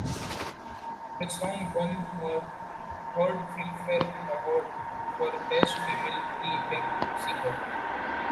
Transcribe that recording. The song won her third Filmfare Award for Best Female Playback Singer.